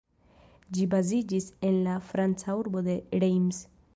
Ĝi baziĝis en la Franca urbo de Reims.